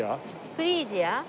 フリージア？